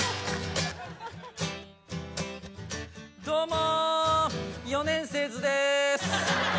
どうも四年生ズです